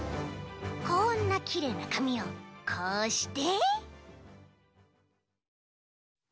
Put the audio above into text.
こんなきれいなかみをこうして。